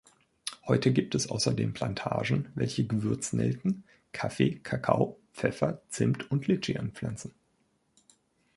Heute gibt es außerdem Plantagen, welche Gewürznelken, Kaffee, Kakao, Pfeffer, Zimt und Litschi anpflanzen.